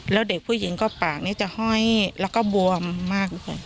แล้วเด็กผู้หญิงก็ปากนี้จะห้อยแล้วก็บวมมากเลย